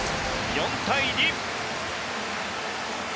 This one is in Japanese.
４対２。